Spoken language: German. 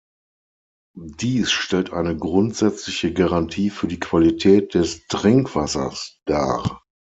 Dies stellt eine grundsätzliche Garantie für die Qualität des Trinkwassers dar.